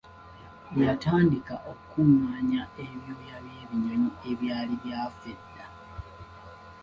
Yatandika okukungaanya ebyoya by'ebinyonyi ebyali byafa edda.